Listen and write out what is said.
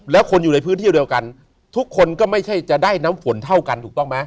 แล้วคนอยู่ในพื้นที่เดียวกันทุกคนก็ไม่ใช่จะได้น้ำฝนเท่ากันถูกต้องไหม